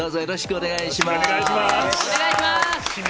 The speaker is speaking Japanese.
お願いします。